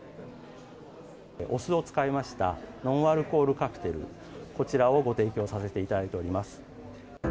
お酢を使いましたノンアルコールカクテル、こちらをご提供させていただいております。